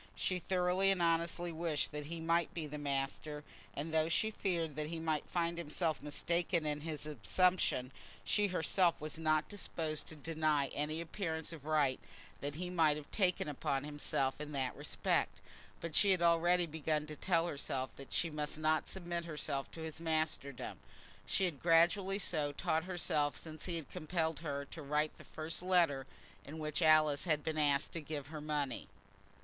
She thoroughly and honestly wished that he might be the master; and though she feared that he might find himself mistaken in his assumption, she herself was not disposed to deny any appearance of right that he might take upon himself in that respect. But she had already begun to tell herself that she must not submit herself to his masterdom. She had gradually so taught herself since he had compelled her to write the first letter in which Alice had been asked to give her money.